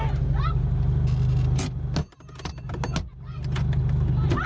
โทรศัพท์ที่ถ่ายคลิปสุดท้าย